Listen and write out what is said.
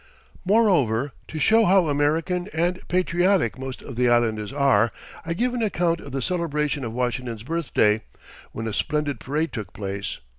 Moreover, to show how American and patriotic most of the islanders are, I give an account of the celebration of Washington's Birthday, when a splendid parade took place.